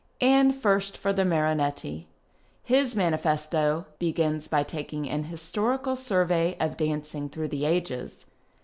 And first for the Marinetti. His manifesto begins by taking an historical survey of dancing through the ages.